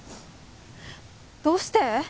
どうして？